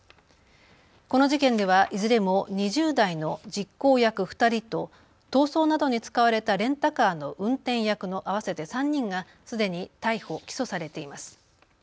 この事件ではいずれも２０代の実行役２人と逃走などに使われたレンタカーの運転役の合わせて３人がすでに逮捕・起訴されています。